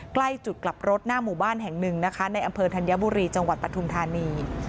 ใกล้จุดกลับรถหน้าหมู่บ้านแห่งหนึ่งนะคะในอำเภอธัญบุรีจังหวัดปทุมธานี